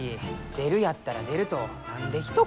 出るやったら出ると何でひと言。